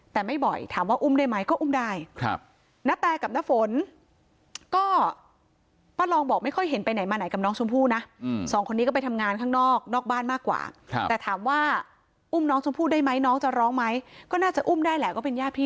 แต่ไม่บ่อยอุ้มได้ไหมก็อุ้มได้